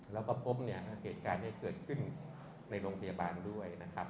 แล้วก็พบเนี่ยเหตุการณ์นี้เกิดขึ้นในโรงพยาบาลด้วยนะครับ